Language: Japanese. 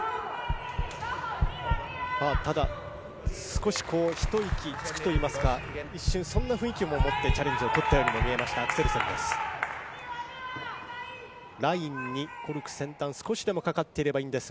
ただ少しひと息つくといいますか、一瞬そんな雰囲気も持ってチャレンジを取ったように見えたアクセルセンです。